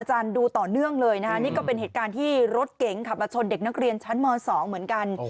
ดูต่อเนื่องเลยนะคะนี่ก็เป็นเหตุการณ์ที่รถเก๋งขับมาชนเด็กนักเรียนชั้นม๒เหมือนกัน